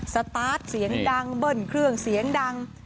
สตาร์ทเสียงดังเบิ้ลเครื่องเสียงดัง